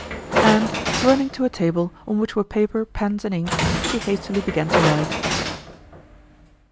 And running to a table, on which were paper, pens and ink, she hastily began to write.